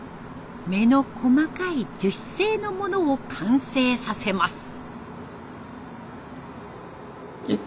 目の細かい樹脂製のものを完成させます。